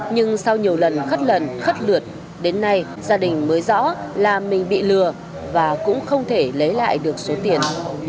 nhưng sau nhiều lần khất lần khất lượt đến nay gia đình mới rõ là mình bị lừa và cũng không thể lấy lại được số tiền